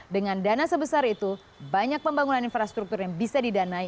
dengan dana sebesar itu banyak pembangunan infrastruktur yang bisa didanai